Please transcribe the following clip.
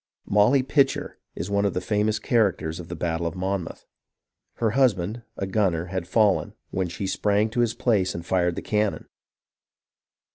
" Molly Pitcher " is one of the famous characters of the battle of Monmouth. Her husband, a gunner, had fallen, when she sprang to his place and fired the cannon.